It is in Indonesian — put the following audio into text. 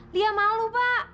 lia malu pak